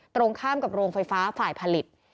ตรงข้ามกับโรงไฟฟ้าฝ่ายผลิต